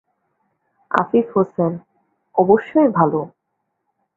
আফিফ হোসেন: অবশ্যই ভালো।